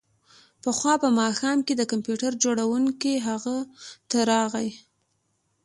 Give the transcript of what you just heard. پخوا په ماښام کې د کمپیوټر جوړونکی هغه ته راغی